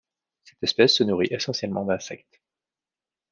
Cette espèce se nourrit essentiellement d'insectes.